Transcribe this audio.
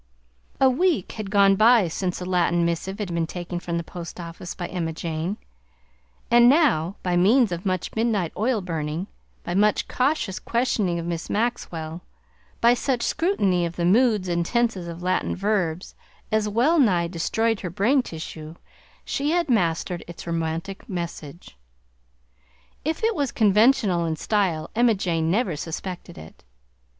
A week had gone by since the Latin missive had been taken from the post office by Emma Jane, and now, by means of much midnight oil burning, by much cautious questioning of Miss Maxwell, by such scrutiny of the moods and tenses of Latin verbs as wellnigh destroyed her brain tissue, she had mastered its romantic message. If it was conventional in style, Emma Jane never suspected it.